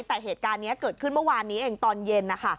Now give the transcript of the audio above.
แต่เหตุการณ์นี้เกิดขึ้นเมื่อวานนี้เองตอนเย็นนะคะ